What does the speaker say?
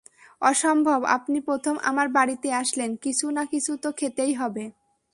অসম্ভব, আপনি প্রথম আমার বাড়িতে আসলেন কিছু না কিছু তো খেতেই হবে।